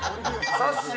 さっしー。